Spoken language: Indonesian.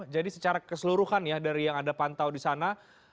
jadi secara keseluruhan ya dari yang ada pantau di sana